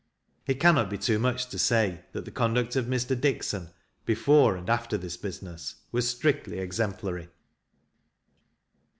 It cannot be too much to say, that the conduct of Mr. Dixon, before and after this business, was strictly exemplary.